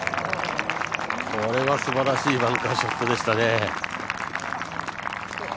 これはすばらしいバンカーショットでしたね。